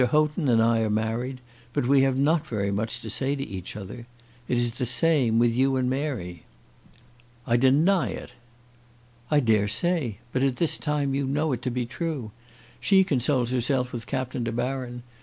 Houghton and I are married, but we have not very much to say to each other. It is the same with you and Mary." "I deny it." "I daresay; but at the same time you know it to be true. She consoles herself with Captain De Baron.